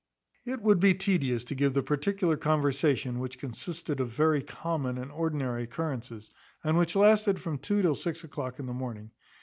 It would be tedious to give the particular conversation, which consisted of very common and ordinary occurrences, and which lasted from two till six o'clock in the morning.